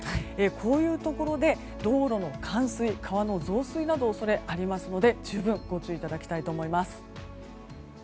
こういうところで道路の冠水や川の増水の恐れなどがありますので十分ご注意いただきたいと思います。